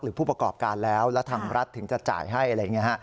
ผู้ประกอบการแล้วแล้วทางรัฐถึงจะจ่ายให้อะไรอย่างนี้ฮะ